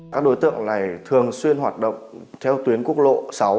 các đối tượng này thường xuyên hoạt động theo tuyến quốc lộ sáu